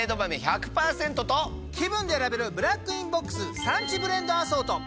気分で選べるブラックインボックス産地ブレンドアソート。